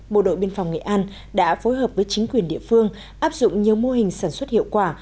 bộ đội biên phòng nghệ an đã phối hợp với chính quyền địa phương áp dụng nhiều mô hình sản xuất hiệu quả